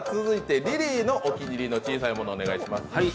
続いてリリーのお気に入りの小さいもの、お願いします。